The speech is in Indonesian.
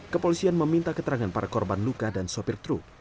kepolisian meminta keterangan para korban luka dan sopir truk